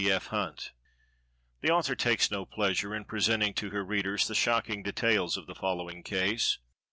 B. F. HUNT. The author takes no pleasure in presenting to her readers the shocking details of the following case.